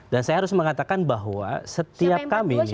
dan saya harus mengatakan bahwa setiap kami ini